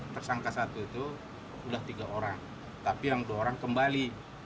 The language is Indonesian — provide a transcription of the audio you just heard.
tersangka satu itu sudah tiga orang tapi yang dua orang kembali